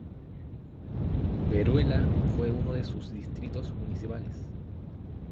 Veruela fue uno de sus distritos municipales.